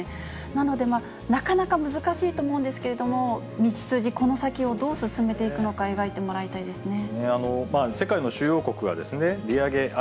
なので、なかなか難しいと思うんですけれども、道筋、この先をどう進めていくのか、描いてもらいたいですね。